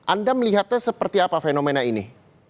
anda melihatnya seperti apa fenomena ini